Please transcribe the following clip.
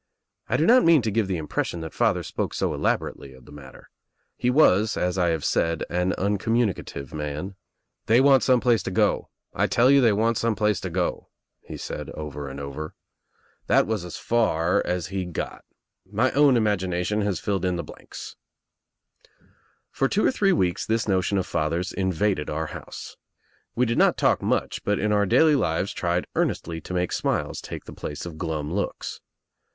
I do not mean to give the impression that father spoke so elaborately of the matter. He was as I have said an uncommunicative man, "They want some place to go. I tell you they want some place J go," he said over and over. That was as far as he S6 THE TRIUMPH OF THE EGG got. My own imagination has filled in the blanks. For two or three weeks Ihts notion of father's in vaded our house. We did not talk much, but in our daily lives tried earnestly to make smiles take the place of glum looks.